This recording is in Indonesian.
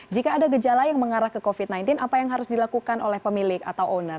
jika ada gejala yang mengarah ke covid sembilan belas apa yang harus dilakukan oleh pemilik atau owner